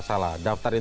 sampai jumpa lagi